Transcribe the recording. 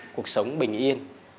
cuộc sống bình yên